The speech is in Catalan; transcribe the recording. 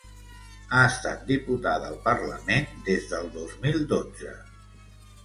Ha estat diputada al parlament des del dos mil dotze.